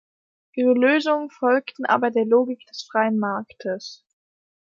Ihre Lösungen folgten aber der Logik des freien Marktes.